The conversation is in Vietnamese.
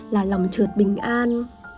là lòng trượt bình an